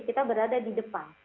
kita berada di depan